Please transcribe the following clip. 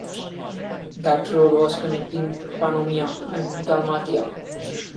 That road was connecting Pannonia and Dalmatia.